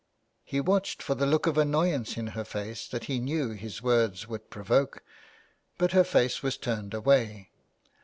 '' He watched for the look of annoyance in her face that he knew his words would provoke, but her face was turned away.